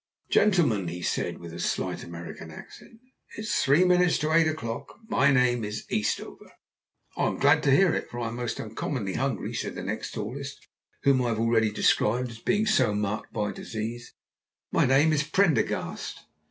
"Gentlemen," he said, with a slight American accent, "it is three minutes to eight o'clock. My name is Eastover!" "I'm glad to hear it, for I'm most uncommonly hungry," said the next tallest, whom I have already described as being so marked by disease. "My name is Prendergast!"